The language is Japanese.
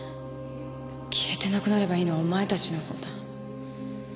消えてなくなればいいのはお前たちの方だ。